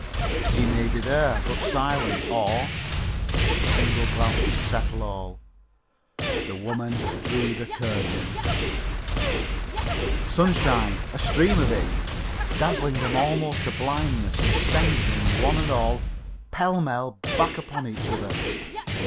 He may be there but silent, or A single glance would settle all. The woman drew the curtain. Sunshine! A stream of it, dazzling them almost to blindness and sending them, one and all, pellmell back upon each other!